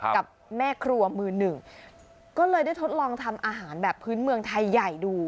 กับแม่ครัวมือหนึ่งก็เลยได้ทดลองทำอาหารแบบพื้นเมืองไทยใหญ่ดู